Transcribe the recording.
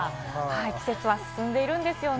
季節が進んでいるんですよね。